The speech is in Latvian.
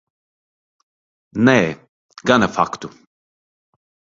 Nē, gana faktu.